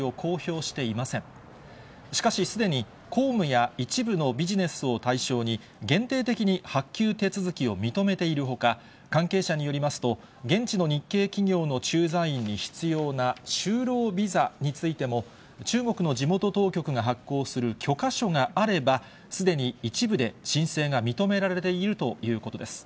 しかしすでに、公務や一部のビジネスを対象に、限定的に発給手続きを認めているほか、関係者によりますと、現地の日系企業の駐在員に必要な就労ビザについても、中国の地元当局が発行する許可書があれば、すでに一部で申請が認められているということです。